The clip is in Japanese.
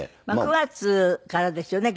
９月からですよね？